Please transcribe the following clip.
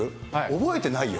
覚えてないよ。